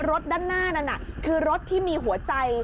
ด้านหน้านั้นคือรถที่มีหัวใจ